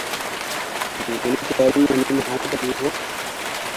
Maimunatu yarinya ne mai hankali, ko?